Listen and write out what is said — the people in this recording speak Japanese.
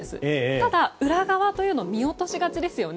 ただ、裏側は見落としがちですよね。